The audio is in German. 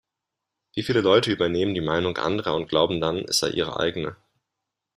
Wie viele Leute übernehmen die Meinung anderer und glauben dann, es sei ihre eigene?